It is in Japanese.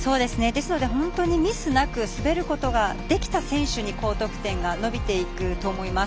本当にミスなく滑ることができた選手に高得点が伸びていくと思います。